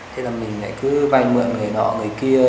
thế là mình lại cứ vay mượn người nọ người kia